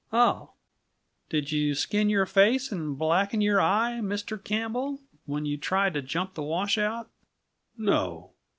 "Oh. Did you skin your face and blacken your eye, Mr. Campbell, when you tried to jump that washout?" "No."